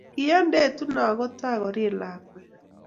Kie ndetuno kotai korir lakwet